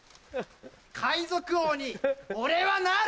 海賊王に俺はなる！